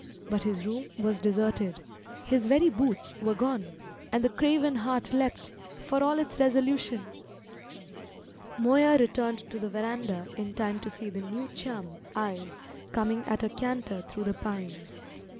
But his room was deserted; his very boots were gone; and the craven heart leapt, for all its resolution. Moya returned to the verandah in time to see the new chum, Ives, coming at a canter through the pines.